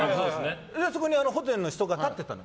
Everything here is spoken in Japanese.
そこにホテルの人が立ってたの。